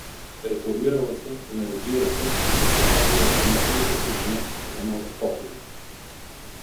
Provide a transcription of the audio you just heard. Реформирала се, наредила се и се приготвила смесената дружина за нови походи.